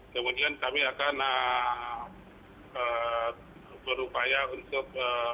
kemudian kami akan berupaya untuk